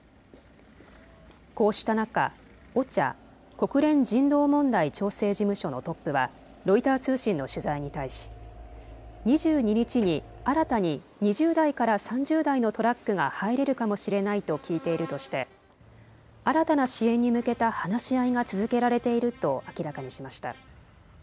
こうした中、ＯＣＨＡ・国連人道問題調整事務所のトップはロイター通信の取材に対し２２日に新たに２０台から３０台のトラックが入れるかもしれないと聞いているとして新たな支援に向けた話し合いが続けられていると明らかにしました。